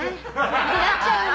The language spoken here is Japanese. になっちゃうね。